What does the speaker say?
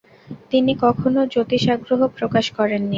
তিনি কখনও জ্যোতিষ আগ্রহ প্রকাশ করেননি।